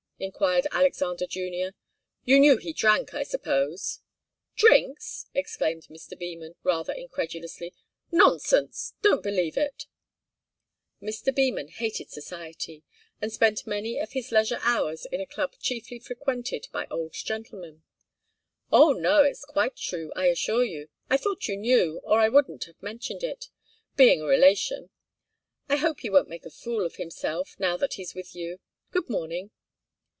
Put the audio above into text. enquired Alexander Junior. "You knew he drank, I suppose?" "Drinks!" exclaimed Mr. Beman, rather incredulously. "Nonsense don't believe it." Mr. Beman hated society, and spent many of his leisure hours in a club chiefly frequented by old gentlemen. "Oh, no! It's quite true, I assure you. I thought you knew, or I wouldn't have mentioned it being a relation. I hope he won't make a fool of himself, now that he's with you. Good morning."